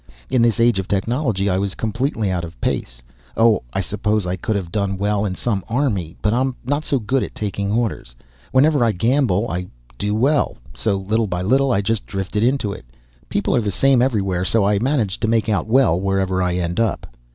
In this age of technology I was completely out of place. Oh, I suppose I could have done well in some army, but I'm not so good at taking orders. Whenever I gambled I did well, so little by little I just drifted into it. People are the same everywhere, so I manage to make out well wherever I end up."